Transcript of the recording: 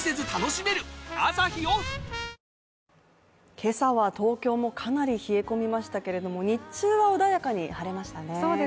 今朝も東京はかなり冷え込みましたけれども、日中は穏やかに晴れましたね。